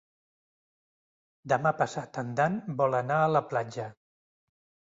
Demà passat en Dan vol anar a la platja.